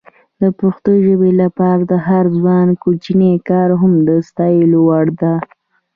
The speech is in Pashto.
د پښتو ژبې لپاره د هر ځوان کوچنی کار هم د ستایلو وړ ده.